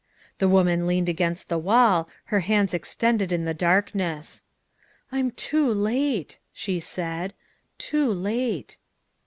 The woman leaned against the wall, her hands extended in the darkness. "I'm too late," she said, " too late."